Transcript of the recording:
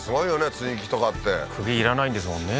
接ぎ木とかってくぎいらないんですもんね